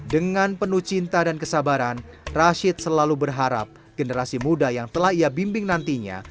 dengan penuh cinta dan kesabaran rashid selalu berharap generasi muda yang telah ia bimbing nantinya